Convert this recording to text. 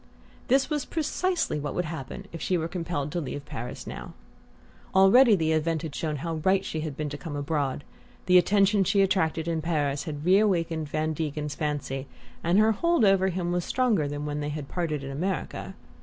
This was precisely what would happen if she were compelled to leave Paris now. Already the event had shown how right she had been to come abroad: the attention she attracted in Paris had reawakened Van Degen's fancy, and her hold over him was stronger than when they had parted in America.